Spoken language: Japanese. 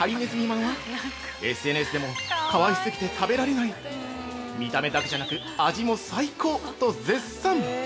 まんは、ＳＮＳでも「かわい過ぎて食べられない」「見た目だけじゃなく味も最高」と絶賛！